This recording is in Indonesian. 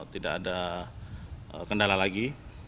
tidak ada kendala lagi